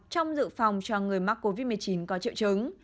trong dự phòng cho người mắc covid một mươi chín có triệu chứng